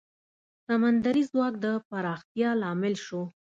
سمندري ځواک د پراختیا لامل شو.